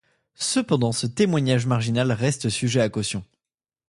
Cependant ce témoignage marginal reste sujet à caution.